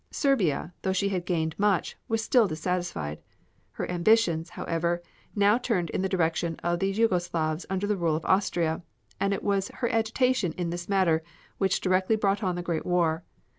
Serbia, though she had gained much, was still dissatisfied. Her ambitions, however, now turned in the direction of the Jugoslavs under the rule of Austria, and it was her agitation in this matter which directly brought on the Great War.